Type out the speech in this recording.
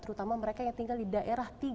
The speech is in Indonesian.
terutama mereka yang tinggal di daerah tiga t